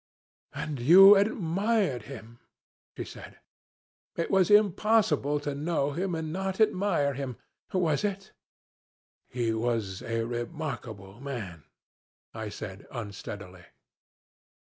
"'And you admired him,' she said. 'It was impossible to know him and not to admire him. Was it?' "'He was a remarkable man,' I said, unsteadily.